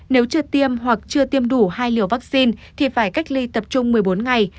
nếu chưa tiêm hoặc chưa tiêm đủ hai liều vaccine thì phải cách ly tập trung một mươi bốn ngày